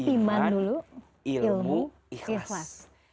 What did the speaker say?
iman ilmu ikhlas